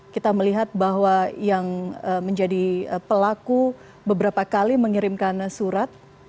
kita melihat bahwa yang menjadi pelaku beberapa kali mengirimkan surat